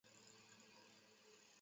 永乐十年三甲第五十一名进士。